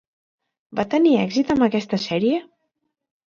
Va tenir èxit amb aquesta sèrie?